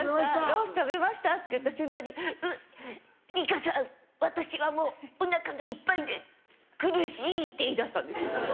ロース食べましたっていった瞬間に「うっリカさん私はもうおなかがいっぱいで苦しい」って言い出したんですよ